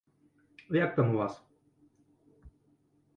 Як там у вас?